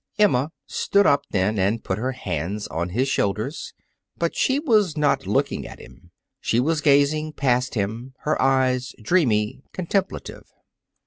Emma stood up then and put her hands on his shoulders. But she was not looking at him. She was gazing past him, her eyes dreamy, contemplative.